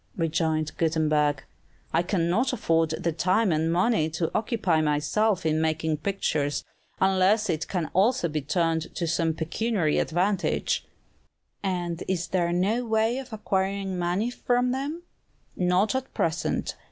rejoined Gutenberg. "I cannot afford the time and money to occupy myself in making pictures, unless it can also be turned to some pecuniary advantage." "And is there no way of acquiring money from them?" "Not at present.